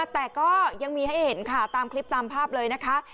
แต่ก็ยังมีให้เห็นค่ะตามคลิปตามภาพเลยนะคะ